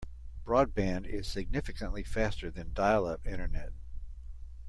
Broadband is significantly faster than dial-up internet.